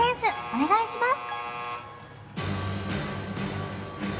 お願いします